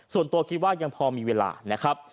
ส่วนตัวคิดว่ายังพอมีเวลานะครับ